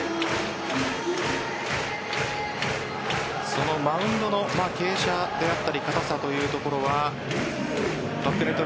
そのマウンドの傾斜であったり硬さというところはバックネット